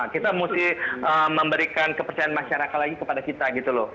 kita mesti memberikan kepercayaan masyarakat lagi kepada kita gitu loh